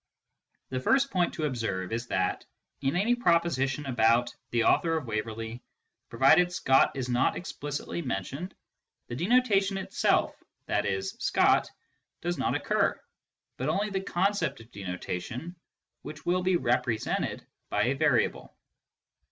The first point to observe is that, in any proposition about " the author of Waverley," provided Scott is not explicitly mentioned, the denotation itself, i.e. Scott, does not occur, but only the concept of denotation, which will be represented by a variable.